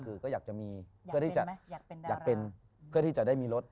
ก็อยากจะมีเพื่อที่จะได้มีรถ